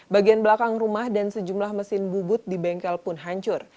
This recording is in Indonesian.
bagian belakang rumah dan sejumlah mesin bubut di bengkel pun hancur